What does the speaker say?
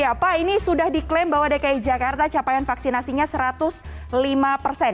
ya pak ini sudah diklaim bahwa dki jakarta capaian vaksinasinya satu ratus lima persen